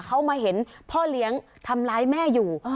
เขามาเห็นพ่อเลี้ยงทำร้ายแม่อยู่